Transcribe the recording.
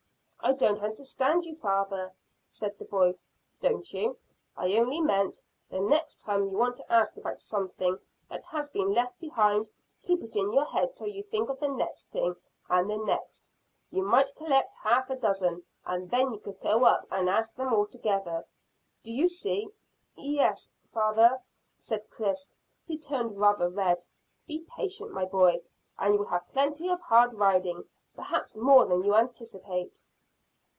"I don't understand you, father," said the boy. "Don't you? I only meant, the next time you want to ask about something that has been left behind, keep it in your head till you think of the next thing, and the next. You might collect half a dozen, and then you could go and ask them altogether. Do you see?" "Yes, father," said Chris, who turned rather red. "Be patient, my boy, and you'll have plenty of hard riding, perhaps more than you anticipate."